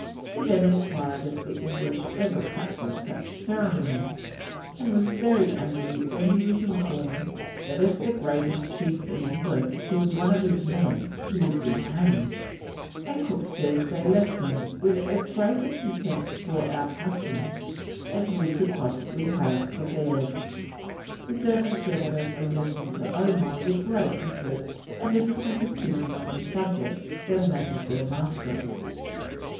He then enquired if the English ever practised such ceremonies, and was very angry when he was informed that if the greatest chief in England killed one of his men he would be hanged; and Cook says they left him "with as great a contempt for our customs as we could possibly have for theirs." The servants evidently listened to Omai with great interest and a different opinion on the subject than that of their master.